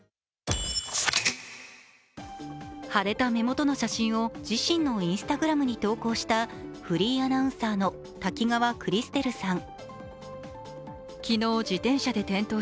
腫れた目元の写真を自身のＩｎｓｔａｇｒａｍに投稿したフリーアナウンサーの滝川クリステルさん。